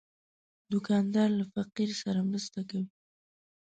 دوکاندار له فقیر سره مرسته کوي.